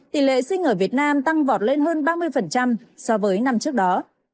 tỷ lệ sinh ở việt nam tăng vọt lên hơn ba mươi so với năm trước đó